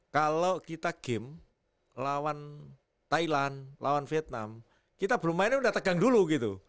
kalau kita game lawan thailand lawan vietnam kita belum mainnya udah tegang dulu gitu